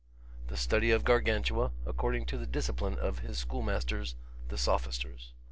The study of Gargantua, according to the discipline of his schoolmasters the Sophisters.